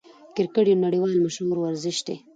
کرکټ یو نړۍوال مشهور ورزش دئ.